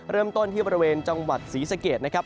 เริ่มต้นที่บริเวณจังหวัดศรีสะเกดนะครับ